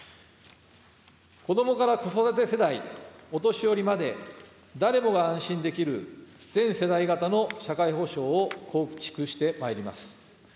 子どもから子育て世帯、お年寄りまで、誰もが安心できる全世代型の社会保障を構築してまいります。